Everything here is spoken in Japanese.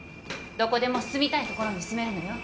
どこでも住みたい所に住めるのよ。